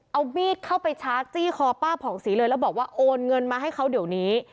เอามีดเข้าไปชาร์จจี้คอป้าผ่องศรีเลยแล้วบอกว่าโอนเงินมาให้เขาเดี๋ยวนี้